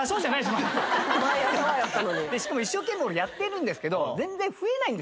しかも一生懸命俺やってるんですけど全然。